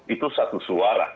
itu satu suara